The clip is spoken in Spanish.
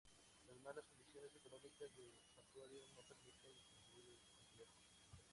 Las malas condiciones económicas del Santuario no permitieron concluir el complejo.